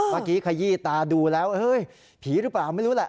เมื่อกี้ขยี้ตาดูแล้วเฮ้ยผีหรือเปล่าไม่รู้แหละ